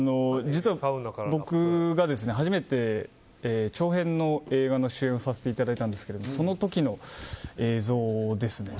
実は、僕が初めて長編の映画の主演をさせていただいたんですけどその時の映像ですね。